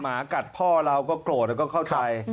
หมากัดพ่อเราก็โกรธแล้วก็เข้าใจ